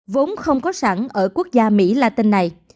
vốn không có sẵn ở quốc gia mỹ latin này